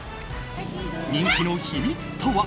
人気の秘密とは？